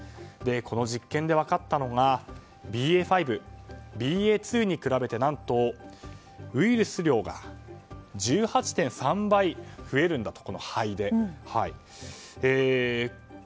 この実験で分かったのがＢＡ．５ＢＡ．２に比べて何とウイルス量が１８．３倍増えるんだと。